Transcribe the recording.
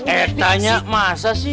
eh tanya masa sih